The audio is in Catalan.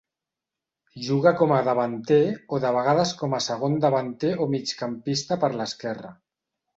Juga com a davanter o de vegades com a segon davanter o migcampista per l'esquerra.